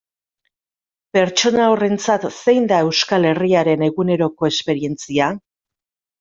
Pertsona horrentzat zein da Euskal Herriaren eguneroko esperientzia?